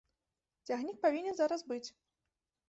Цягнік павінен зараз быць!